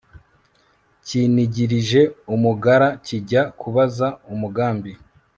kinigirije umugara kijya kubaza umugambi